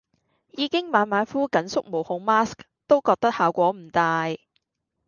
已經晚晚敷緊縮毛孔 mask 都覺得效果唔大